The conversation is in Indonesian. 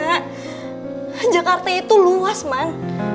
karena jakarta itu luas man